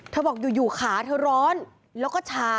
บอกอยู่ขาเธอร้อนแล้วก็ชา